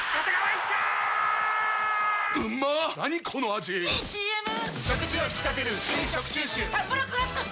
⁉いいＣＭ！！